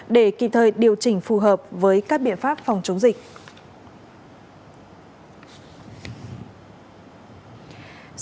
để kịp thời điều chỉnh phù hợp với các biện pháp phòng chống dịch